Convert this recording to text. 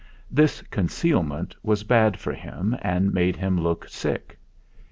This concealment was bad for him and made him look sick.